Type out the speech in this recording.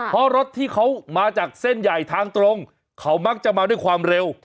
เพราะรถที่เขามาจากเส้นใหญ่ทางตรงเขามักจะมาด้วยความเร็ว